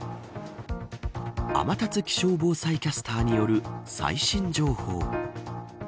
天達気象防災キャスターによる最新情報。